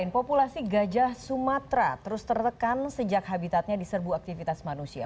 populasi gajah sumatera terus tertekan sejak habitatnya diserbu aktivitas manusia